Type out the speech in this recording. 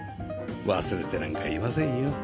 忘れてなんかいませんよ